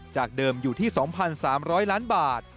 จากเดิมอยู่ที่๒๓๐๐ล้านบาท